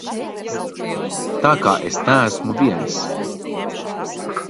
Tā ka es neesmu viens.